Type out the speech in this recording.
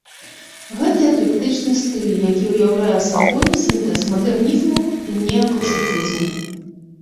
Гэта эклектычны стыль, які ўяўляе сабой сінтэз мадэрнізму і неакласіцызму.